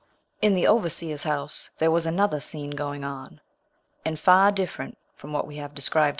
In the overseer's house there was another scene going on, and far different from what we have here described.